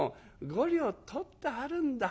５両取ってあるんだ。